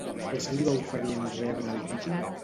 Què se li va oferir en rebre el títol?